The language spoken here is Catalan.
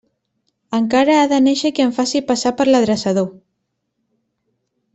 Encara ha de néixer qui em faci passar per l'adreçador.